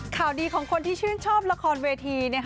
ข่าวดีของคนที่ชื่นชอบละครเวที